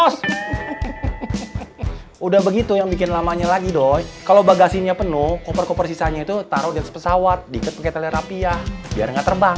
sebagai penggasinya penuh koper koper sisanya itu taruh di atas pesawat diikat pake telerapia biar gak terbang